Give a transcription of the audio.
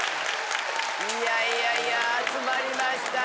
いやいや集まりましたよ。